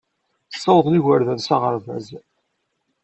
Ssawḍen igerdan s aɣerbaz.